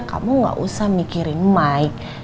kamu gak usah mikirin mike